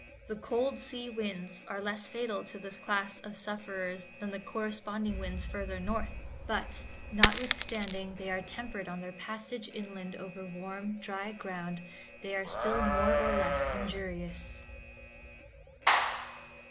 The cold sea winds are less fatal to this class of sufferers than the corresponding winds further north, but, notwithstanding they are tempered on their passage inland over warm, dry ground, they are still more or less injurious.